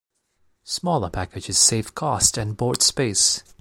Smaller packages save cost and board space.